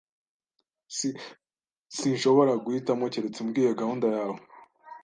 S] Sinshobora guhitamo keretse umbwiye gahunda yawe.